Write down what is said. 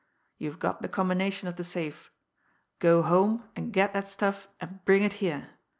You've got the combination of the safe. Go home and get that stuff and bring it here.